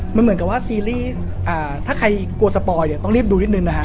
มันเหมือนกับว่าซีรีส์ถ้าใครกลัวสปอยเนี่ยต้องรีบดูนิดนึงนะฮะ